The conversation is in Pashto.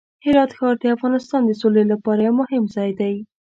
هرات ښار د افغانستان د سولې لپاره یو مهم ځای دی.